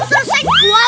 monster seguala kenan